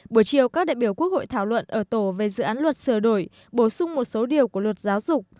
buổi chiều các đại biểu quốc hội thảo luận ở tổ về dự án luật sửa đổi bổ sung một số điều của luật giáo dục